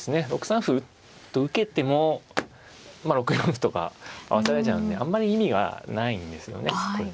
６三歩と受けてもまあ６四歩とか合わされちゃうんであんまり意味がないんですよね。